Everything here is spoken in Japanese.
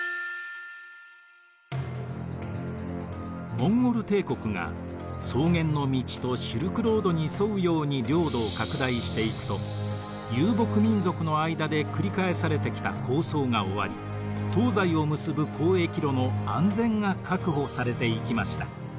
モンゴル帝国が草原の道とシルクロードに沿うように領土を拡大していくと遊牧民族の間で繰り返されてきた抗争が終わり東西を結ぶ交易路の安全が確保されていきました。